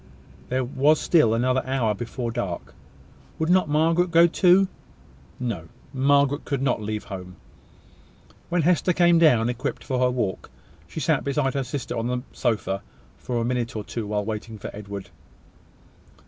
There was still another hour before dark. Would not Margaret go too? No; Margaret could not leave home. When Hester came down, equipped for her walk, she sat beside her sister on the sofa for a minute or two, while waiting for Edward.